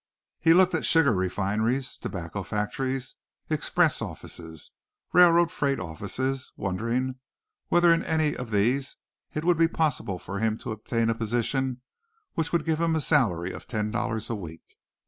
He looked at sugar refineries, tobacco factories, express offices, railroad freight offices, wondering whether in any of these it would be possible for him to obtain a position which would give him a salary of ten dollars a week.